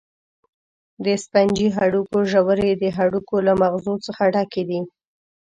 د سفنجي هډوکو ژورې د هډوکو له مغزو څخه ډکې دي.